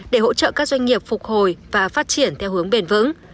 để hỗ trợ các doanh nghiệp phục hồi và phát triển theo hướng bền vững